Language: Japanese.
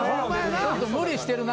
ちょっと無理してるな。